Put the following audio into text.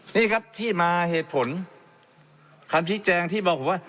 นี่ครับที่มาเหตุผลคำชี้แจงที่บอกผมว่า